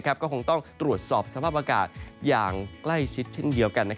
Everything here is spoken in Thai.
ก็คงต้องตรวจสอบสภาพอากาศอย่างใกล้ชิดเช่นเดียวกัน